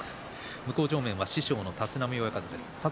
向正面は師匠の立浪親方です。